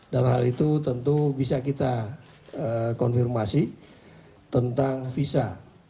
dan hal itu tentu bisa kita konfirmasi tentang visa